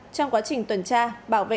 trong quá trình tuần tra bảo vệ